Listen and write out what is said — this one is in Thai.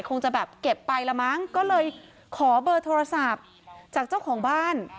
คงจะแบบเก็บไปละมั้งก็เลยขอเบอร์โทรศัพท์จากเจ้าของบ้าน